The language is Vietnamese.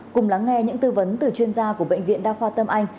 cùng lắng nghe những tư vấn từ chuyên gia của bệnh viện đa khoa tâm anh